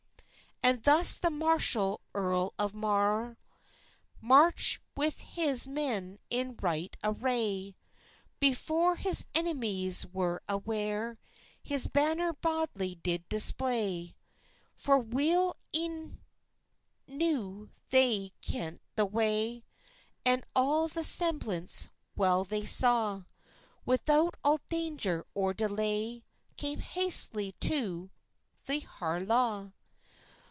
And thus the martial Erle of Marr Marcht with his men in richt array; Befoir his enemis was aware, His banner bauldly did display. For weil enewch they kent the way, And all their semblance well they saw: Without all dangir or delay, Come haistily to the Harlaw.